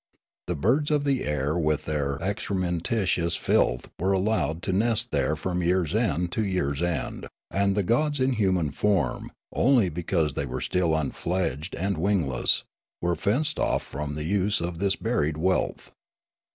The birds of the air with their excrementitious filth were allowed to nest there from year's end to j'ear's end ; aud the gods in human form, only because they 150 Riallaro were still unfledged and wingless, were fenced off from the use of this buried wealth.